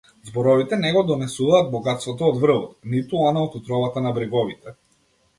Зборовите не го донесуваат богатството од врвот, ниту она од утробата на бреговите.